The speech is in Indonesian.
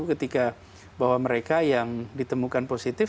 ketika bahwa mereka yang ditemukan positif